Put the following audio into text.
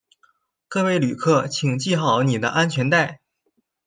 各位旅客请系好你的安全带